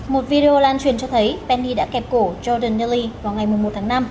một video lan truyền cho thấy penney đã kẹp cổ jordan yelly vào ngày một mươi một tháng năm